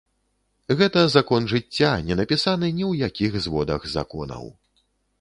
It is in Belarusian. Гэта закон жыцця, не напісаны ні ў якіх зводах законаў.